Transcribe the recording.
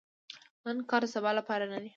د نن کار د سبا لپاره نه دي .